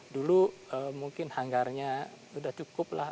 dulu mungkin hanggarnya sudah cukup lah